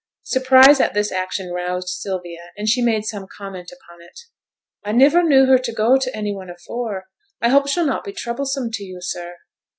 Surprise at this action roused Sylvia, and she made some comment upon it. 'I niver knew her t' go to any one afore. I hope she'll not be troublesome to yo', sir?'